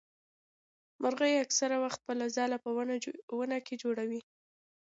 مرغۍ اکثره وخت خپل ځاله په ونه کي جوړوي.